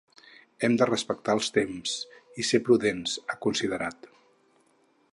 Hem de respectar els temps i ser prudents, ha considerat.